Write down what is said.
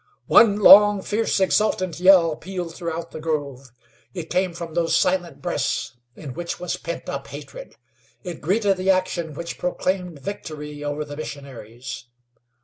One long, fierce, exultant yell pealed throughout the grove. It came from those silent breasts in which was pent up hatred; it greeted this action which proclaimed victory over the missionaries.